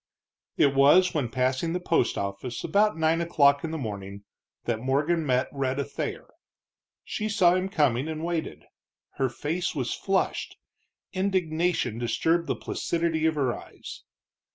It was when passing the post office, about nine o'clock in the morning, that Morgan met Rhetta Thayer. She saw him coming, and waited. Her face was flushed; indignation disturbed the placidity of her eyes.